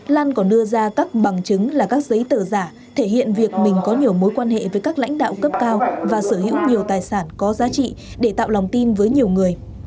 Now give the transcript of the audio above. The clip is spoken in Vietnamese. lan còn đưa ra các bằng chứng là các giấy tờ giả thể hiện việc mình có nhiều mối quan hệ với các lãnh đạo cấp cao và sở hữu nhiều tài sản có giá trị để tạo lòng tin với nhiều người